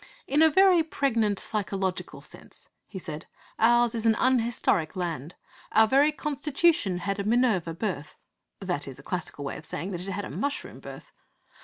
'In a very pregnant psychological sense,' he said, 'ours is an unhistoric land. Our very constitution had a Minerva birth.' (That is a classical way of saying that it had a mushroom birth.)